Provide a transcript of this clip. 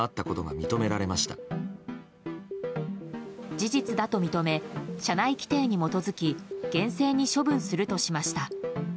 事実だと認め社内規定に基づき厳正に処分するとしました。